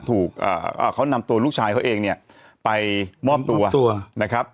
ถูกเขานำตัวลูกชายเขาเองเนี่ยไปมอบตัวนะครับ